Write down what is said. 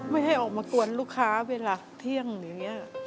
ไม่ให้ออกมากวนลูกค้าเวลาเที่ยงอย่างนี้